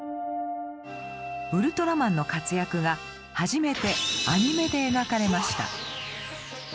ウルトラマンの活躍が初めてアニメで描かれました。